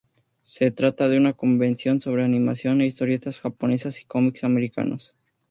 Se trata de una convención sobre animación e historietas japonesas y comics americanos.